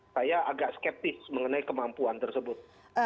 saya agak skeptis mengenai kemampuan tersebut